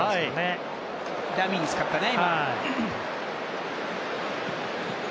今、ダミーに使ったね。